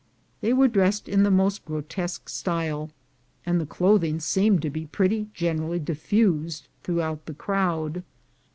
They were dressed in the most grotesque style, and the clothing seemed to be pretty generally diffused throughout the crowd.